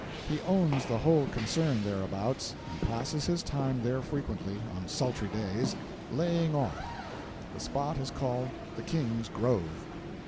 He owns the whole concern thereabouts, and passes his time there frequently, on sultry days "laying off." The spot is called "The King's Grove."